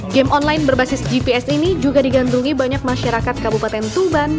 game online berbasis gps ini juga digandungi banyak masyarakat kabupaten tuban